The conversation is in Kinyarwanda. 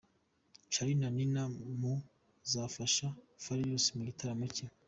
Charly na Nina mu bazafasha Farious mu gitaramo cye .